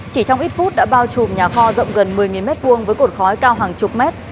chỉ trong ít phút đã bao trùm nhà kho rộng gần một mươi m hai với cột khói cao hàng chục mét